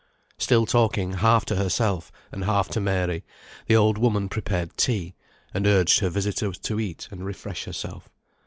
Still talking half to herself and half to Mary, the old woman prepared tea, and urged her visitor to eat and refresh herself.